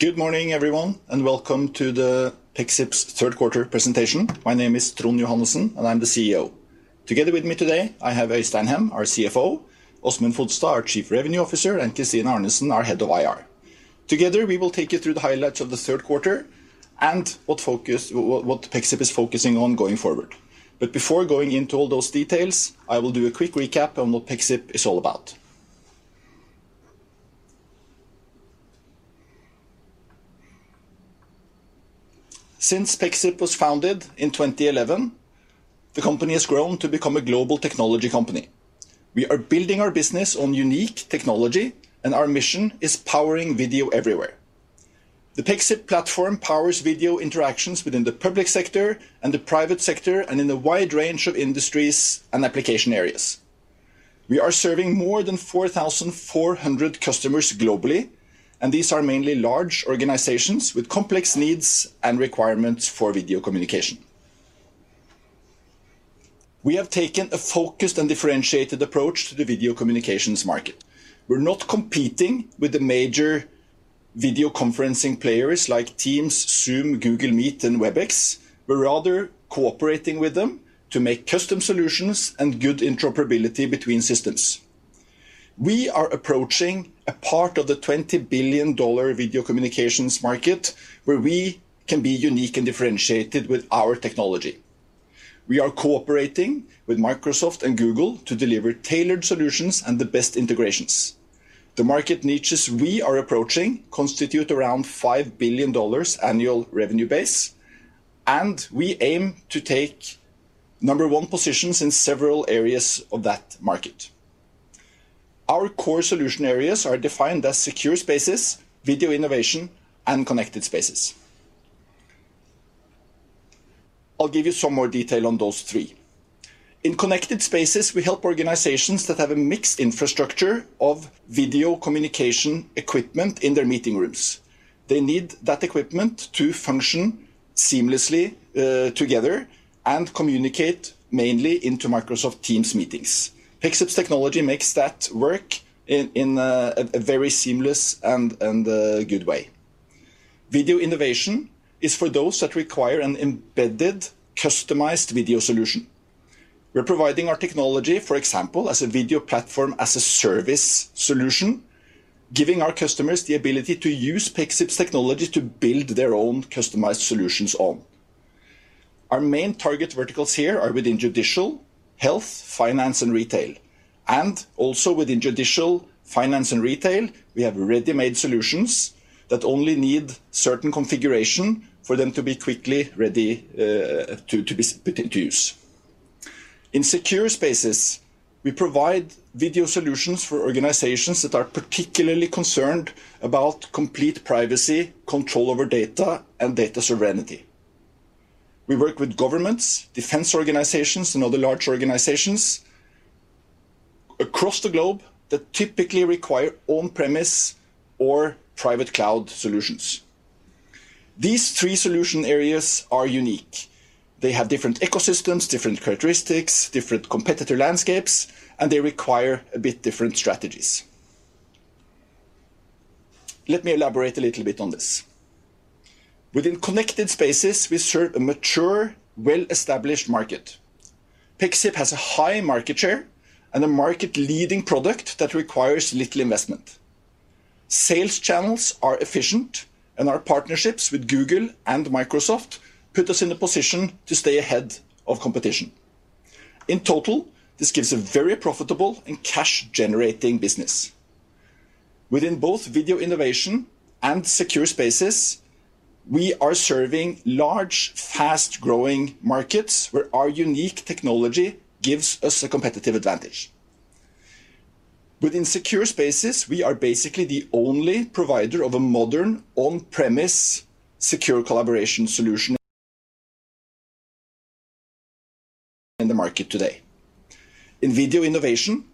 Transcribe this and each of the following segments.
Good morning, everyone, and welcome to Pexip's third quarter presentation. My name is Trond Johannessen, and I'm the CEO. Together with me today, I have Øystein Hem, our CFO, Åsmund Fodstad, our Chief Revenue Officer, and Christine Arnesen, our Head of IR. Together, we will take you through the highlights of the third quarter and what Pexip is focusing on going forward. Before going into all those details, I will do a quick recap on what Pexip is all about. Since Pexip was founded in 2011, the company has grown to become a global technology company. We are building our business on unique technology, and our mission is powering video everywhere. The Pexip platform powers video interactions within the public sector and the private sector and in a wide range of industries and application areas. We are serving more than 4,400 customers globally, and these are mainly large organizations with complex needs and requirements for video communication. We have taken a focused and differentiated approach to the video communications market. We're not competing with the major video conferencing players like Teams, Zoom, Google Meet, and Webex. We're rather cooperating with them to make custom solutions and good interoperability between systems. We are approaching a part of the $20 billion video communications market where we can be unique and differentiated with our technology. We are cooperating with Microsoft and Google to deliver tailored solutions and the best integrations. The market niches we are approaching constitute around $5 billion annual revenue base, and we aim to take number one positions in several areas of that market. Our core solution areas are defined as Secure Spaces, Video Innovation, and Connected Spaces. I'll give you some more detail on those three. In Connected Spaces, we help organizations that have a mixed infrastructure of video communication equipment in their meeting rooms. They need that equipment to function seamlessly together and communicate mainly into Microsoft Teams meetings. Pexip's technology makes that work in a very seamless and good way. Video Innovation is for those that require an embedded, customized video solution. We're providing our technology, for example, as a video platform, as a service solution, giving our customers the ability to use Pexip's technology to build their own customized solutions on. Our main target verticals here are within judicial, health, finance, and retail. Also within judicial, finance, and retail, we have ready-made solutions that only need certain configuration for them to be quickly ready to be put into use. In Secure Spaces, we provide video solutions for organizations that are particularly concerned about complete privacy, control over data, and data sovereignty. We work with governments, defense organizations, and other large organizations across the globe that typically require on-premise or private cloud solutions. These three solution areas are unique. They have different ecosystems, different characteristics, different competitor landscapes, and they require a bit different strategies. Let me elaborate a little bit on this. Within Connected Spaces, we serve a mature, well-established market. Pexip has a high market share and a market-leading product that requires little investment. Sales channels are efficient, and our partnerships with Google and Microsoft put us in a position to stay ahead of competition. In total, this gives a very profitable and cash-generating business. Within both Video Innovation and Secure Spaces, we are serving large, fast-growing markets where our unique technology gives us a competitive advantage. Within Secure Spaces, we are basically the only provider of a modern on-premise secure collaboration solution in the market today. In Video Innovation,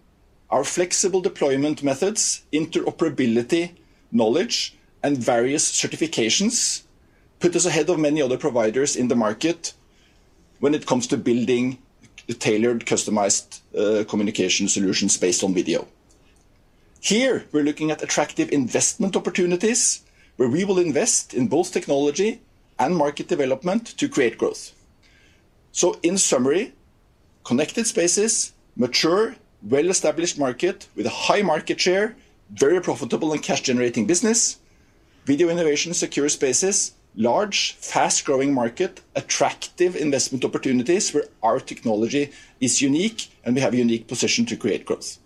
our flexible deployment methods, interoperability knowledge, and various certifications put us ahead of many other providers in the market when it comes to building tailored, customized, communication solutions based on video. Here, we're looking at attractive investment opportunities where we will invest in both technology and market development to create growth. In summary, Connected Spaces, mature, well-established market with a high market share, very profitable and cash-generating business. Video Innovation, Secure Spaces, large, fast-growing market, attractive investment opportunities where our technology is unique and we have a unique position to create growth.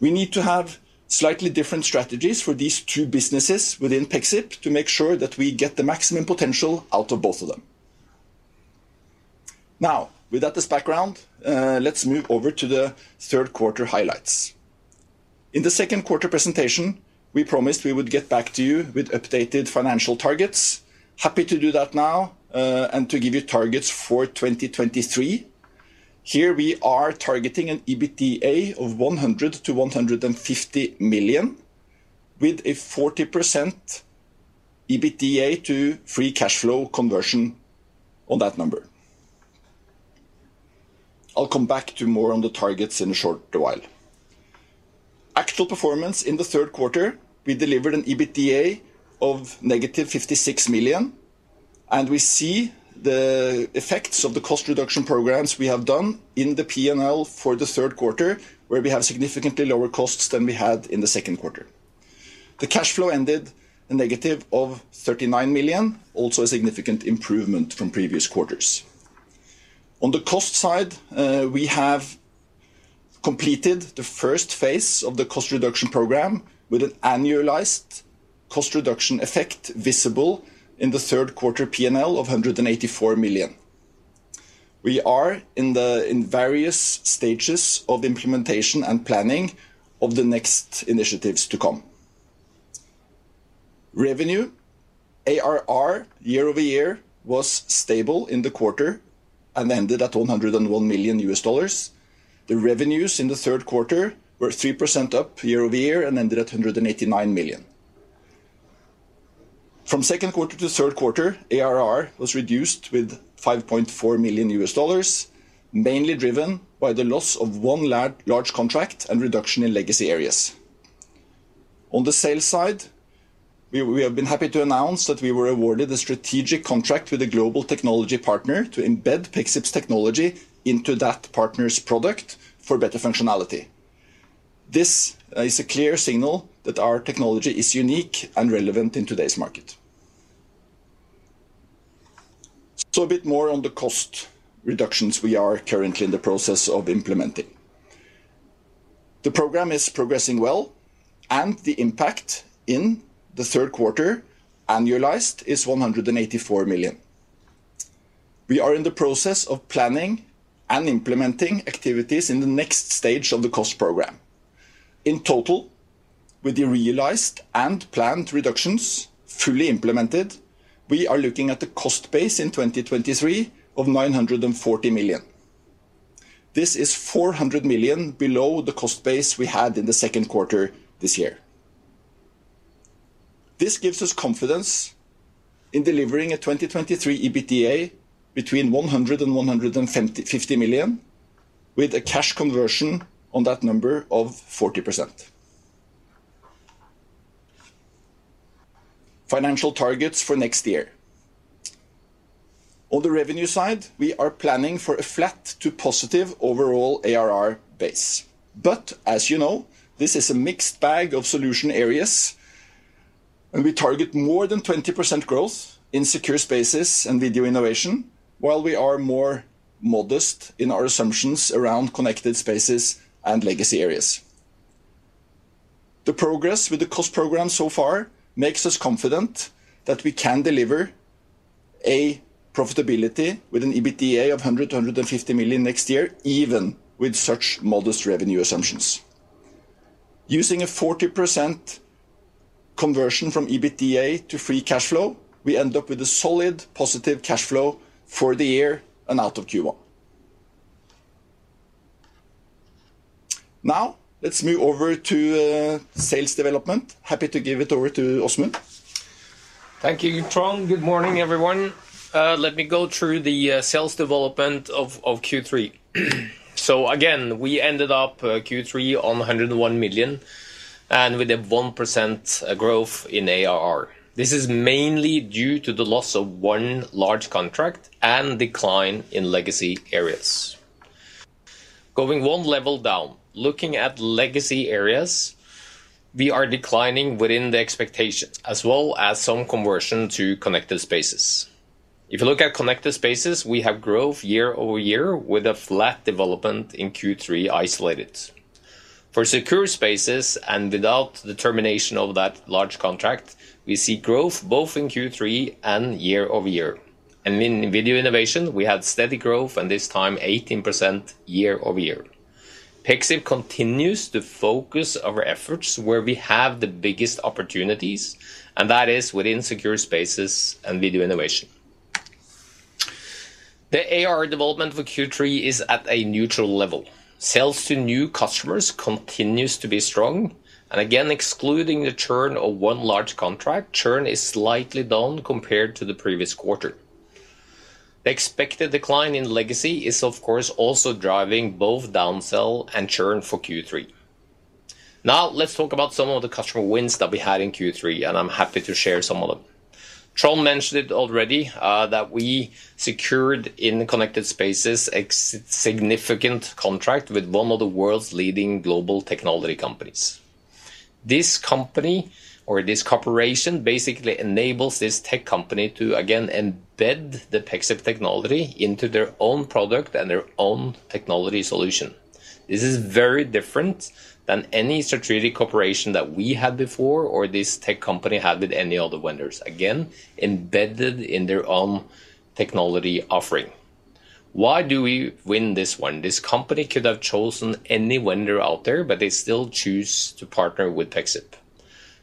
We need to have slightly different strategies for these two businesses within Pexip to make sure that we get the maximum potential out of both of them. Now, with that as background, let's move over to the third quarter highlights. In the second quarter presentation, we promised we would get back to you with updated financial targets. Happy to do that now, and to give you targets for 2023. Here we are targeting an EBITDA of 100-150 million, with a 40% EBITDA to free cash flow conversion on that number. I'll come back to more on the targets in a short while. Actual performance in the third quarter, we delivered an EBITDA of -56 million, and we see the effects of the cost reduction programs we have done in the P&L for the third quarter, where we have significantly lower costs than we had in the second quarter. The cash flow ended at a -39 million, also a significant improvement from previous quarters. On the cost side, we have completed the first phase of the cost reduction program with an annualized cost reduction effect visible in the third quarter P&L of 184 million. We are in various stages of implementation and planning of the next initiatives to come. Revenue ARR year-over-year was stable in the quarter and ended at $101 million. The revenues in the third quarter were 3% up year-over-year and ended at 189 million. From second quarter to third quarter, ARR was reduced by $5.4 million, mainly driven by the loss of one large contract and reduction in legacy areas. On the sales side, we have been happy to announce that we were awarded a strategic contract with a global technology partner to embed Pexip's technology into that partner's product for better functionality. This is a clear signal that our technology is unique and relevant in today's market. A bit more on the cost reductions we are currently in the process of implementing. The program is progressing well, and the impact in the third quarter annualized is 184 million. We are in the process of planning and implementing activities in the next stage of the cost program. In total, with the realized and planned reductions fully implemented, we are looking at the cost base in 2023 of 940 million. This is 400 million below the cost base we had in the second quarter this year. This gives us confidence in delivering a 2023 EBITDA between 100 million and 150 million, with a cash conversion on that number of 40%. Financial targets for next year. On the revenue side, we are planning for a flat to positive overall ARR base. As you know, this is a mixed bag of solution areas, and we target more than 20% growth in Secure Spaces and Video Innovation, while we are more modest in our assumptions around Connected Spaces and legacy areas. The progress with the cost program so far makes us confident that we can deliver a profitability with an EBITDA of 100 million-150 million next year, even with such modest revenue assumptions. Using a 40% conversion from EBITDA to free cash flow, we end up with a solid positive cash flow for the year and out of Q1. Now, let's move over to sales development. Happy to give it over to Åsmund. Thank you, Trond. Good morning, everyone. Let me go through the sales development of Q3. Again, we ended up Q3 on 101 million and with a 1% growth in ARR. This is mainly due to the loss of one large contract and decline in legacy areas. Going one level down, looking at legacy areas, we are declining within the expectations, as well as some conversion to Connected Spaces. If you look at Connected Spaces, we have growth year-over-year with a flat development in Q3 isolated. For Secure Spaces, and without the termination of that large contract, we see growth both in Q3 and year-over-year. In Video Innovation, we had steady growth and this time 18% year-over-year. Pexip continues to focus our efforts where we have the biggest opportunities, and that is within Secure Spaces and Video Innovation. The ARR development for Q3 is at a neutral level. Sales to new customers continues to be strong, and again, excluding the churn of one large contract, churn is slightly down compared to the previous quarter. Expected decline in legacy is of course also driving both down sell and churn for Q3. Now, let's talk about some of the customer wins that we had in Q3, and I'm happy to share some of them. Trond mentioned it already, that we secured in the Connected Spaces a significant contract with one of the world's leading global technology companies. This company or this cooperation basically enables this tech company to again embed the Pexip technology into their own product and their own technology solution. This is very different than any strategic cooperation that we had before, or this tech company had with any other vendors. Again, embedded in their own technology offering. Why do we win this one? This company could have chosen any vendor out there, but they still choose to partner with Pexip.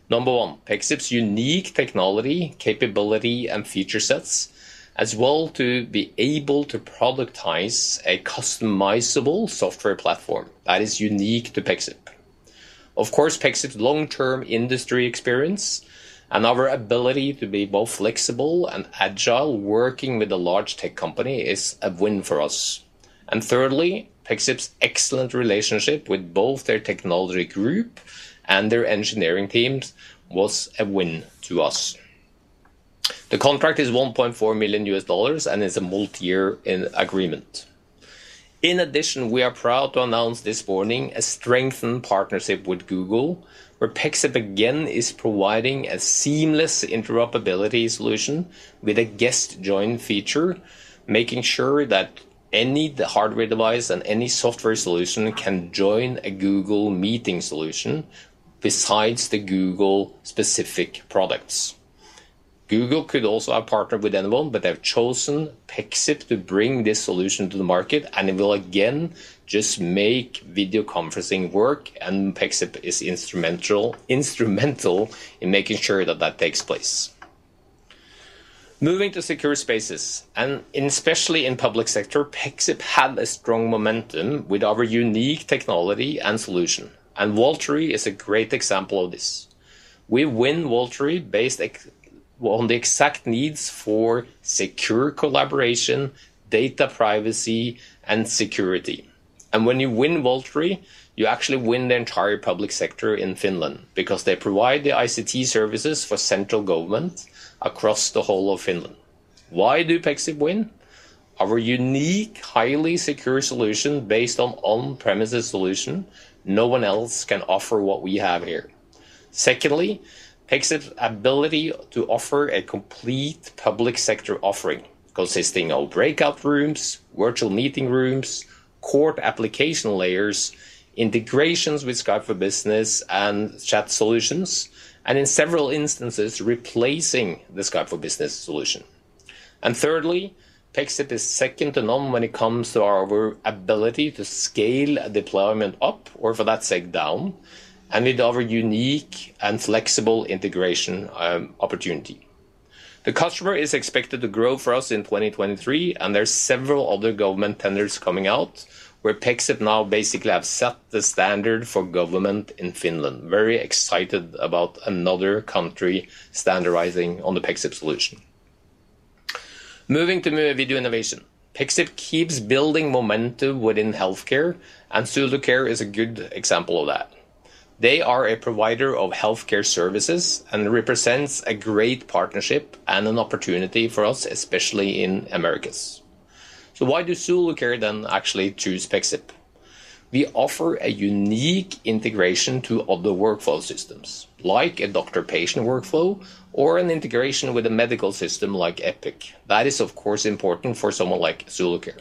Number one, Pexip's unique technology, capability, and feature sets, as well to be able to productize a customizable software platform that is unique to Pexip. Of course, Pexip's long-term industry experience and our ability to be both flexible and agile working with a large tech company is a win for us. Thirdly, Pexip's excellent relationship with both their technology group and their engineering teams was a win to us. The contract is $1.4 million and is a multi-year agreement. In addition, we are proud to announce this morning a strengthened partnership with Google, where Pexip again is providing a seamless interoperability solution with a guest join feature, making sure that any hardware device and any software solution can join a Google meeting solution besides the Google specific products. Google could also have partnered with anyone, but they have chosen Pexip to bring this solution to the market, and it will again just make video conferencing work, and Pexip is instrumental in making sure that that takes place. Moving to Secure Spaces, and especially in public sector, Pexip had a strong momentum with our unique technology and solution, and Valtori is a great example of this. We win Valtori based on the exact needs for secure collaboration, data privacy, and security. When you win Valtori, you actually win the entire public sector in Finland because they provide the ICT services for central government across the whole of Finland. Why do Pexip win? Our unique, highly secure solution based on on-premises solution, no one else can offer what we have here. Secondly, Pexip's ability to offer a complete public sector offering consisting of breakout rooms, virtual meeting rooms, core application layers, integrations with Skype for Business and chat solutions, and in several instances, replacing the Skype for Business solution. Thirdly, Pexip is second to none when it comes to our ability to scale a deployment up, or for that sake, down, and with our unique and flexible integration opportunity. The customer is expected to grow for us in 2023, and there's several other government tenders coming out where Pexip now basically have set the standard for government in Finland. Very excited about another country standardizing on the Pexip solution. Moving to Video Innovation. Pexip keeps building momentum within healthcare, and ZuluCare is a good example of that. They are a provider of healthcare services and represents a great partnership and an opportunity for us, especially in Americas. Why do ZuluCare then actually choose Pexip? We offer a unique integration into other workflow systems, like a doctor-patient workflow or an integration with a medical system like Epic. That is, of course, important for someone like ZuluCare.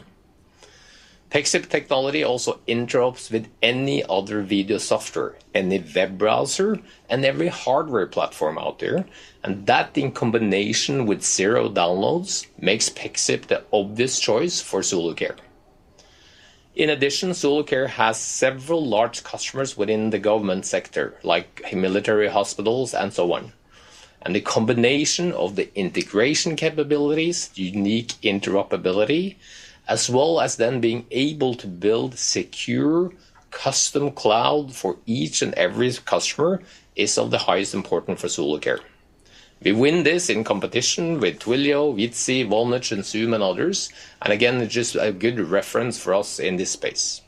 Pexip technology also integrates with any other video software, any web browser, and every hardware platform out there. That in combination with zero downloads makes Pexip the obvious choice for ZuluCare. In addition, ZuluCare has several large customers within the government sector, like military hospitals and so on. The combination of the integration capabilities, unique interoperability, as well as then being able to build secure custom cloud for each and every customer is of the highest importance for ZuluCare. We win this in competition with Twilio, Vidyo, Vonage, and Zoom, and others. Again, just a good reference for us in this space.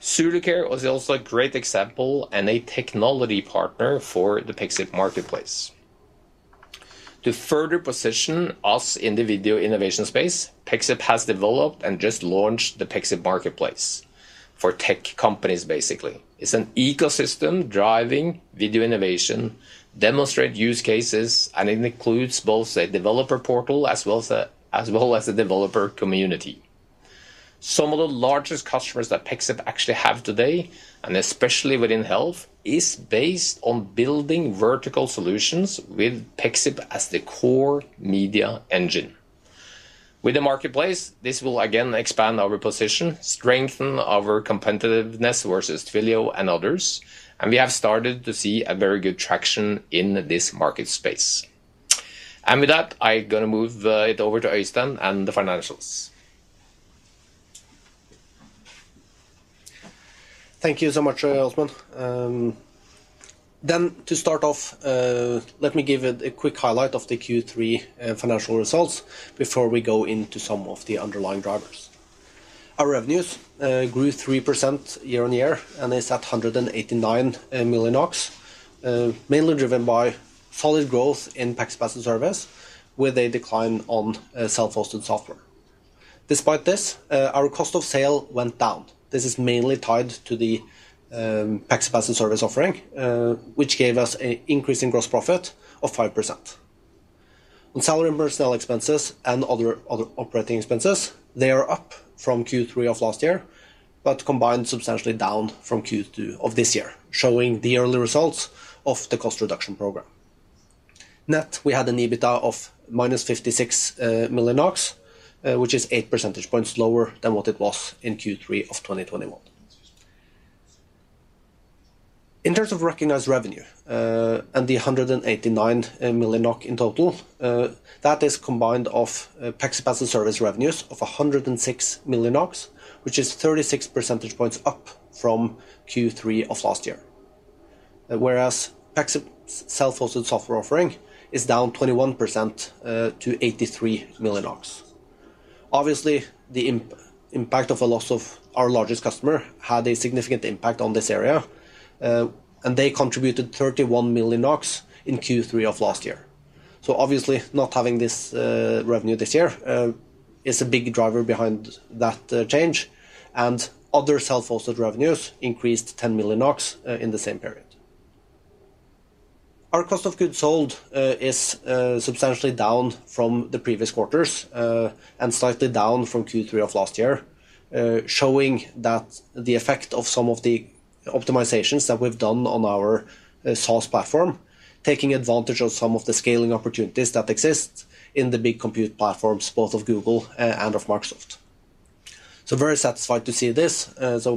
ZuluCare was also a great example and a technology partner for the Pexip Marketplace. To further position us in the Video Innovation space, Pexip has developed and just launched the Pexip Marketplace for tech companies, basically. It's an ecosystem driving video innovation, demonstrating use cases, and it includes both a developer portal as well as a developer community. Some of the largest customers that Pexip actually have today, and especially within health, is based on building vertical solutions with Pexip as the core media engine. With the marketplace, this will again expand our position, strengthen our competitiveness versus Twilio and others, and we have started to see a very good traction in this market space. With that, I'm gonna move it over to Øystein and the financials. Thank you so much, Åsmund. To start off, let me give a quick highlight of the Q3 financial results before we go into some of the underlying drivers. Our revenues grew 3% year-on-year and is at 189 million, mainly driven by solid growth in Pexip as a Service, with a decline on self-hosted software. Despite this, our cost of sales went down. This is mainly tied to the Pexip as a Service offering, which gave us an increase in gross profit of 5%. On salary and personnel expenses and other operating expenses, they are up from Q3 of last year, but combined substantially down from Q2 of this year, showing the early results of the cost reduction program. Net, we had an EBITDA of -56 million, which is eight percentage points lower than what it was in Q3 of 2021. In terms of recognized revenue and 189 million NOK in total, that is combined of Pexip as a Service revenues of 106 million, which is 36 percentage points up from Q3 of last year. Whereas Pexip self-hosted software offering is down 21% to 83 million. Obviously, the impact of a loss of our largest customer had a significant impact on this area, and they contributed 31 million NOK in Q3 of last year. Obviously, not having this revenue this year is a big driver behind that change, and other self-hosted revenues increased 10 million NOK in the same period. Our cost of goods sold is substantially down from the previous quarters and slightly down from Q3 of last year, showing that the effect of some of the optimizations that we've done on our SaaS platform, taking advantage of some of the scaling opportunities that exist in the big compute platforms, both of Google and of Microsoft. Very satisfied to see this.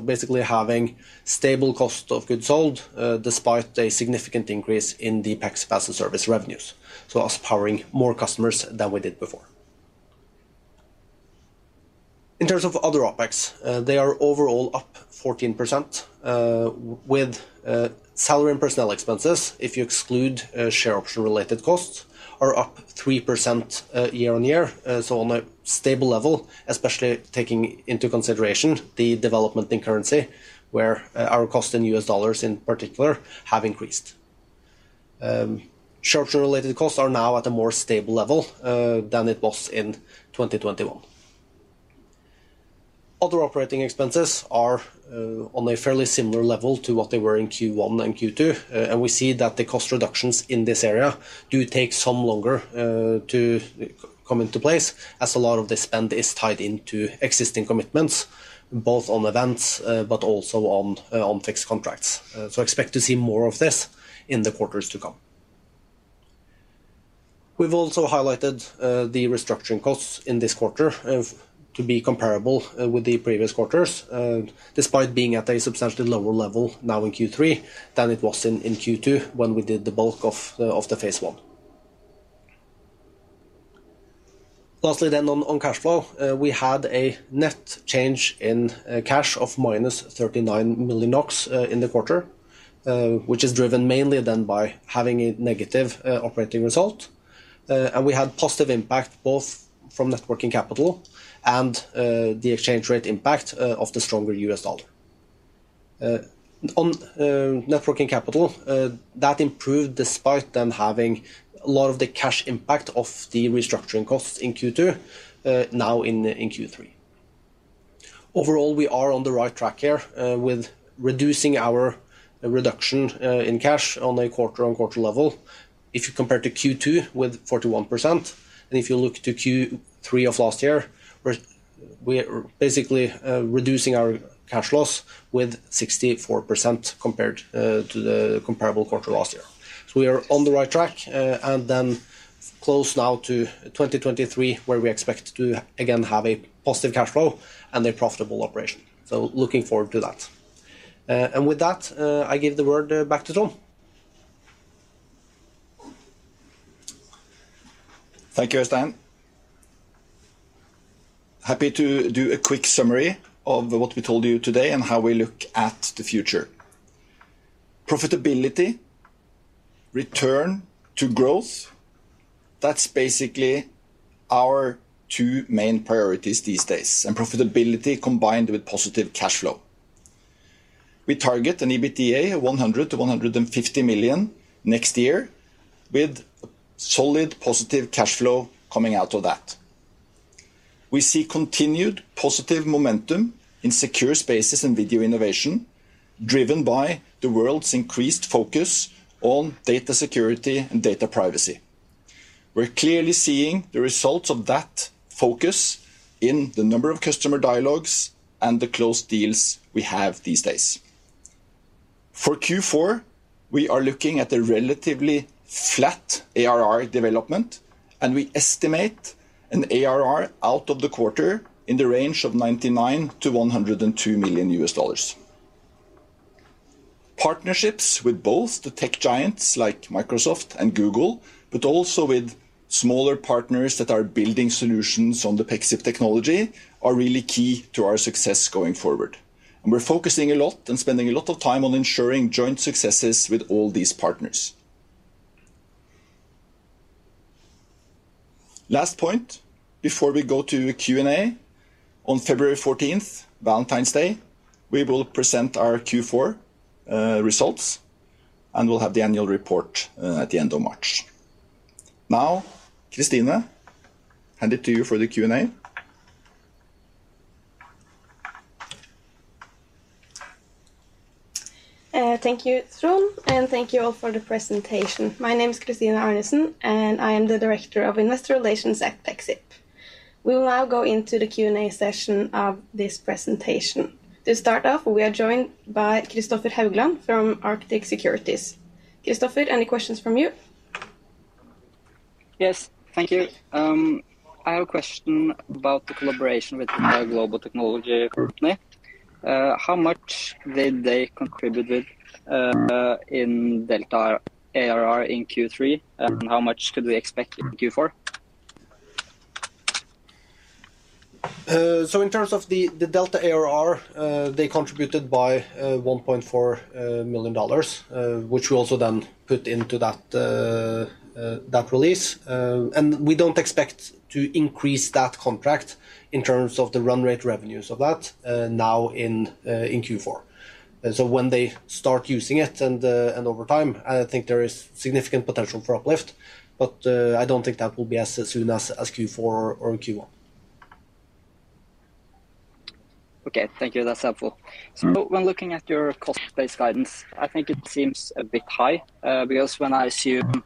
Basically, having stable cost of goods sold despite a significant increase in the Pexip as-a-Service revenues, us powering more customers than we did before. In terms of other OpEx, they are overall up 14%, with salary and personnel expenses, if you exclude share option related costs, are up 3% year-on-year. On a stable level, especially taking into consideration the development in currency, where our cost in U.S. dollars in particular have increased. Share option related costs are now at a more stable level than it was in 2021. Other operating expenses are on a fairly similar level to what they were in Q1 and Q2, and we see that the cost reductions in this area do take some longer to come into place as a lot of the spend is tied into existing commitments, both on events, but also on fixed contracts. Expect to see more of this in the quarters to come. We've also highlighted the restructuring costs in this quarter to be comparable with the previous quarters, despite being at a substantially lower level now in Q3 than it was in Q2 when we did the bulk of the phase one. Lastly on cash flow, we had a net change in cash of -39 million in the quarter, which is driven mainly by having a negative operating result. We had positive impact both from net working capital and the exchange rate impact of the stronger U.S. dollar. On net working capital, that improved despite them having a lot of the cash impact of the restructuring costs in Q2 now in Q3. Overall, we are on the right track here with reducing our reduction in cash on a quarter-over-quarter level. If you compare to Q2 with 41%, and if you look to Q3 of last year, we're basically reducing our cash loss with 64% compared to the comparable quarter last year. We are on the right track, and then close now to 2023, where we expect to again have a positive cash flow and a profitable operation. Looking forward to that. With that, I give the word back to Trond. Thank you, Øystein. Happy to do a quick summary of what we told you today and how we look at the future. Profitability, return to growth, that's basically our two main priorities these days, and profitability combined with positive cash flow. We target an EBITDA of 100 million-150 million next year, with solid positive cash flow coming out of that. We see continued positive momentum in Secure Spaces and Video Innovation, driven by the world's increased focus on data security and data privacy. We're clearly seeing the results of that focus in the number of customer dialogues and the close deals we have these days. For Q4, we are looking at a relatively flat ARR development, and we estimate an ARR out of the quarter in the range of $99 million-$102 million. Partnerships with both the tech giants like Microsoft and Google, but also with smaller partners that are building solutions on the Pexip technology, are really key to our success going forward, and we're focusing a lot and spending a lot of time on ensuring joint successes with all these partners. Last point before we go to Q&A. On February 14th, Valentine's Day, we will present our Q4 results, and we'll have the annual report at the end of March. Now, Christine, hand it to you for the Q&A. Thank you, Trond, and thank you all for the presentation. My name is Christine Arnesen, and I am the Director of Investor Relations at Pexip. We will now go into the Q&A session of this presentation. To start off, we are joined by Kristoffer Haugland from Arctic Securities. Kristoffer, any questions from you? Yes. Thank you. I have a question about the collaboration with the global technology company. How much did they contributed in delta ARR in Q3? And how much could we expect in Q4? In terms of the delta ARR, they contributed by $1.4 million, which we also then put into that release. We don't expect to increase that contract in terms of the run rate revenues of that now in Q4. When they start using it and over time, I think there is significant potential for uplift, but I don't think that will be as soon as Q4 or in Q1. Okay. Thank you. That's helpful. Mm-hmm. When looking at your cost base guidance, I think it seems a bit high, because when I assume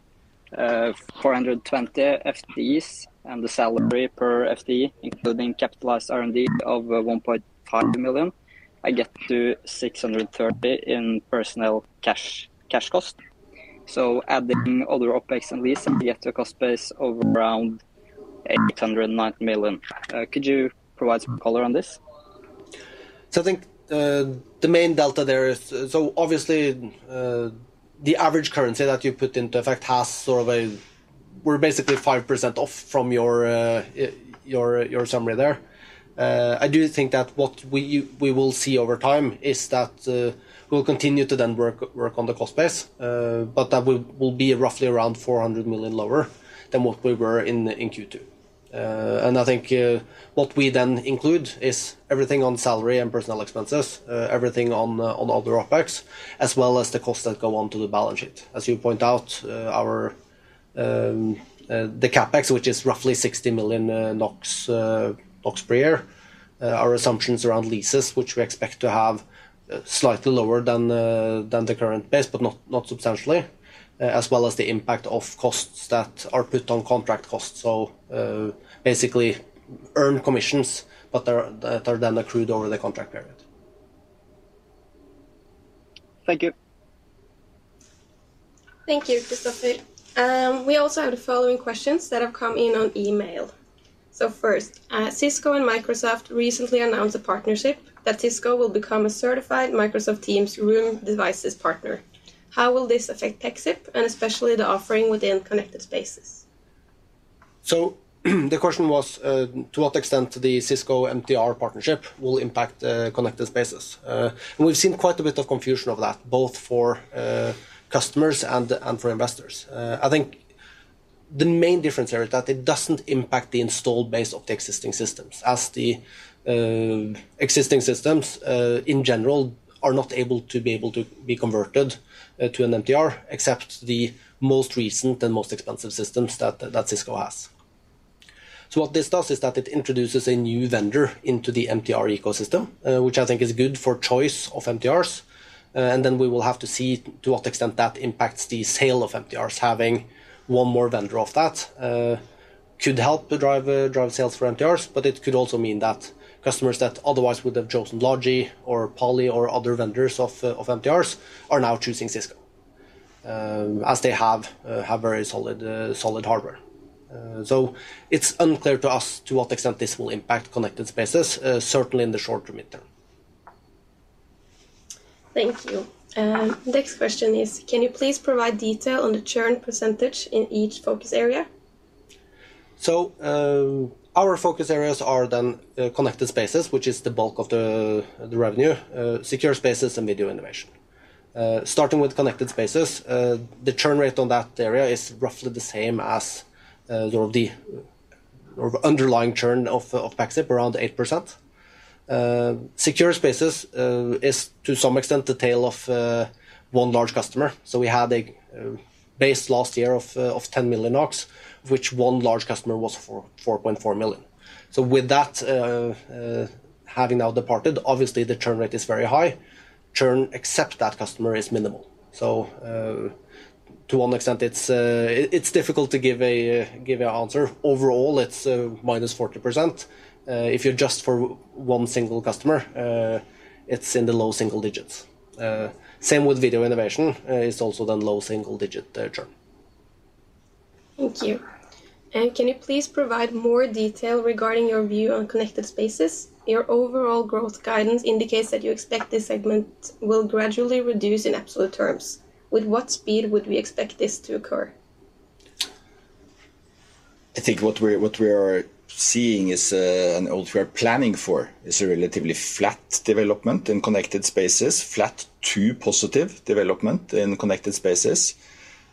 420 FTEs and the salary per FTE, including capitalized R&D of 1.5 million, I get to 630 million in personnel cash cost. Adding other OpEx and lease, you get to a cost base of around 809 million. Could you provide some color on this? I think the main delta there is. Obviously, the average currency that you put into effect. We're basically 5% off from your summary there. I do think that what we will see over time is that we'll continue to work on the cost base, but that will be roughly around 400 million lower than what we were in Q2. I think what we then include is everything on salary and personnel expenses, everything on other OpEx, as well as the costs that go onto the balance sheet. As you point out, our CapEx, which is roughly 60 million NOK per year, our assumptions around leases, which we expect to have slightly lower than the current base, but not substantially, as well as the impact of costs that are put on contract costs. Basically, earned commissions, but they're then accrued over the contract period. Thank you. Thank you, Kristoffer. We also have the following questions that have come in on email. First, Cisco and Microsoft recently announced a partnership that Cisco will become a certified Microsoft Teams Rooms devices partner. How will this affect Pexip, and especially the offering within Connected Spaces? The question was to what extent the Cisco MTR partnership will impact Connected Spaces. We've seen quite a bit of confusion of that, both for customers and for investors. I think the main difference here is that it doesn't impact the installed base of the existing systems, as the existing systems in general are not able to be converted to an MTR, except the most recent and most expensive systems that Cisco has. What this does is that it introduces a new vendor into the MTR ecosystem, which I think is good for choice of MTRs. We will have to see to what extent that impacts the sale of MTRs. Having one more vendor of that could help drive sales for MTRs, but it could also mean that customers that otherwise would have chosen Logitech or Poly or other vendors of MTRs are now choosing Cisco as they have very solid hardware. It's unclear to us to what extent this will impact Connected Spaces, certainly in the short to midterm. Thank you. Next question is, can you please provide detail on the churn percentage in each focus area? Our focus areas are then Connected Spaces, which is the bulk of the revenue, Secure Spaces and Video Innovation. Starting with Connected Spaces, the churn rate on that area is roughly the same as sort of the underlying churn of Pexip, around 8%. Secure Spaces is to some extent the tail of one large customer. We had a base last year of 10 million NOK, which one large customer was 4.4 million. With that having now departed, obviously the churn rate is very high. Churn except that customer is minimal. To some extent it's difficult to give an answer. Overall, it's -40%. If you adjust for one single customer, it's in the low single digits. Same with Video Innovation. It's also the low single-digit churn. Thank you. Can you please provide more detail regarding your view on Connected Spaces? Your overall growth guidance indicates that you expect this segment will gradually reduce in absolute terms. With what speed would we expect this to occur? I think what we are seeing is what we are planning for is a relatively flat development in Connected Spaces, flat to positive development in Connected Spaces.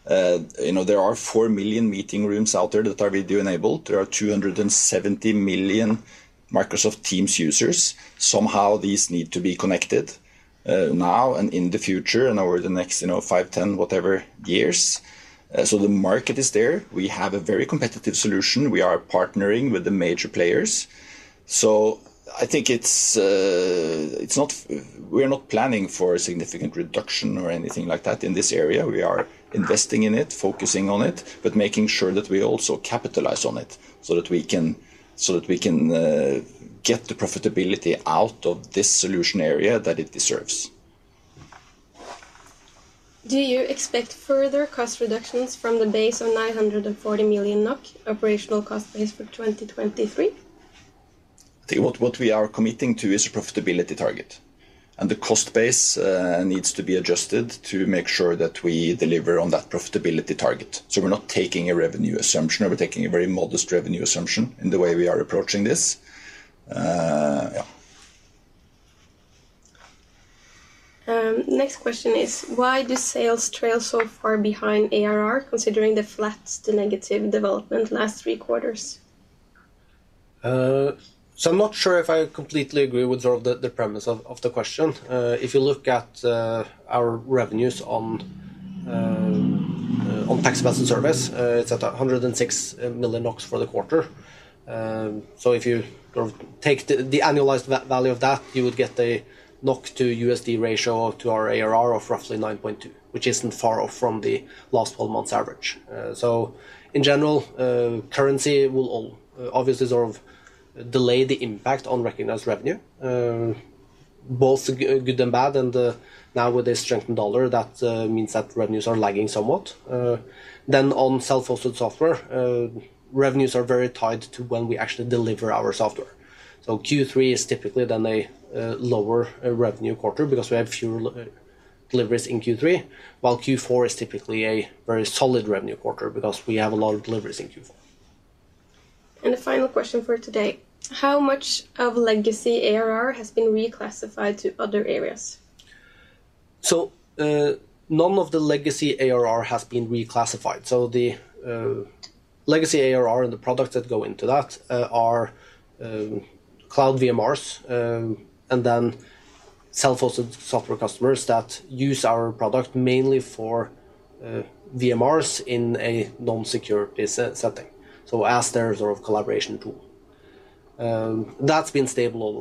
You know, there are four million meeting rooms out there that are video-enabled. There are 270 million Microsoft Teams users. Somehow these need to be connected, now and in the future and over the next, you know, five, 10, whatever years. The market is there. We have a very competitive solution. We are partnering with the major players. I think it's not. We're not planning for a significant reduction or anything like that in this area. We are investing in it, focusing on it, but making sure that we also capitalize on it so that we can get the profitability out of this solution area that it deserves. Do you expect further cost reductions from the base of 940 million NOK operational cost base for 2023? I think what we are committing to is a profitability target, and the cost base needs to be adjusted to make sure that we deliver on that profitability target. We're not taking a revenue assumption. We're taking a very modest revenue assumption in the way we are approaching this. Next question is, why do sales trail so far behind ARR considering the flat to negative development last three quarters? I'm not sure if I completely agree with the premise of the question. If you look at our revenues on Pexip as a Service, it's at 106 million NOK for the quarter. If you sort of take the annualized value of that, you would get the NOK to USD ratio to our ARR of roughly 9.2, which isn't far off from the last 12 months average. In general, currency will obviously sort of delay the impact on recognized revenue, both good and bad. Now with the strengthened dollar, that means that revenues are lagging somewhat. On self-hosted software, revenues are very tied to when we actually deliver our software. Q3 is typically then a lower revenue quarter because we have fewer deliveries in Q3, while Q4 is typically a very solid revenue quarter because we have a lot of deliveries in Q4. The final question for today, how much of legacy ARR has been reclassified to other areas? None of the legacy ARR has been reclassified. The legacy ARR and the products that go into that are cloud VMRs, and then self-hosted software customers that use our product mainly for VMRs in a non-secure base setting, so as their sort of collaboration tool. That's been stable all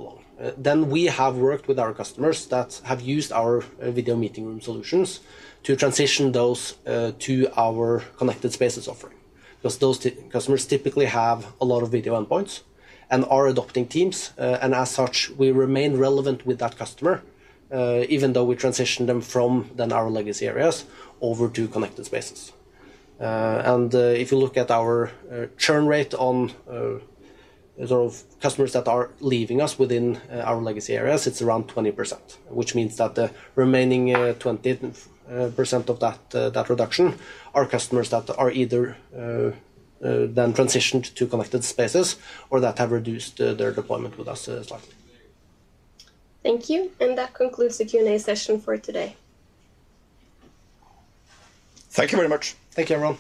along. We have worked with our customers that have used our video meeting room solutions to transition those to our Connected Spaces offering. Because those customers typically have a lot of video endpoints and are adopting Teams. As such, we remain relevant with that customer, even though we transition them from our legacy areas over to Connected Spaces. If you look at our churn rate on sort of customers that are leaving us within our legacy areas, it's around 20%, which means that the remaining 20% of that reduction are customers that are either then transitioned to Connected Spaces or that have reduced their deployment with us slightly. Thank you. That concludes the Q&A session for today. Thank you very much. Thank you, everyone.